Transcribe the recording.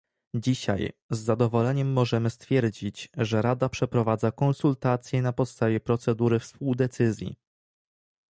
Dzisiaj z zadowoleniem możemy stwierdzić, że Rada przeprowadza konsultacje na podstawie procedury współdecyzji